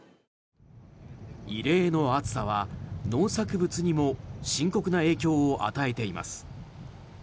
異例の暑さは農作物にも深刻な影響を与えています。